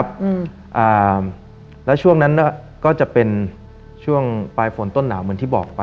คิดว่ามันจะมืดกว่า